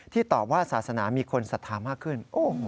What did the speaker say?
ตอบว่าศาสนามีคนศรัทธามากขึ้น